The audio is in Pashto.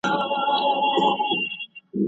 څو بندونه د امیر وي، څو چینې وي